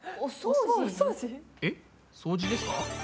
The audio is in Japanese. えっ？掃除ですか？